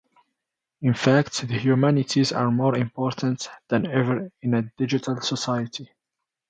In fact, the humanities are more important than ever in a digital society.